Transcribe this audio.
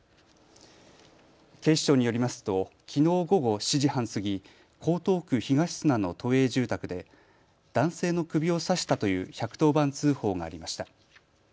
警視庁によりますときのう午後７時半過ぎ、江東区東砂の都営住宅で男性の首を刺したという１１０番通報がありました。